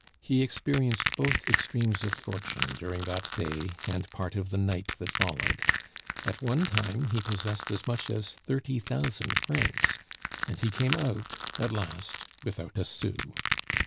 He experienced both extremes of fortune during that day and part of the night that followed; at one time he possessed as much as thirty thousand francs, and he came out at last without a sou.